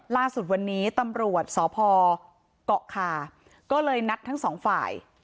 ล่าสุดวันนี้ตำรวจสพเกาะคาก็เลยนัดทั้งสองฝ่าย